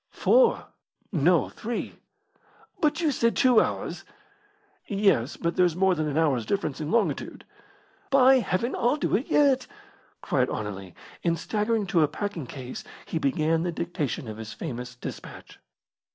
"Four." "No, three." "But you said two hours." "Yes, but there's more than an hour's difference in longitude." "By Heaven, I'll do it yet!" cried Anerley, and staggering to a packing case, he began the dictation of his famous despatch.